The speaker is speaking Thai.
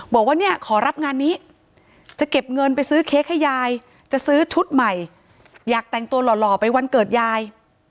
บอกว่าเนี่ยขอรับงานนี้จะเก็บเงินไปซื้อเค้กให้ยายจะซื้อชุดใหม่อยากแต่งตัวหล่อไปวันเกิดยาย